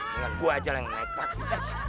enggak gua aja yang naik taksi